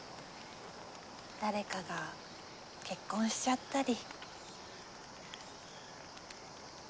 誰かが結婚しちゃったり。